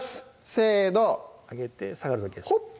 せの上げて下がるだけですほっ！